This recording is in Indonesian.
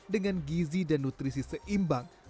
dengan gizi dan nutrisi seimbang